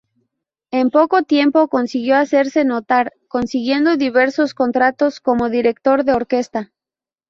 En poco tiempo consiguió hacerse notar, consiguiendo diversos contratos como director de orquesta.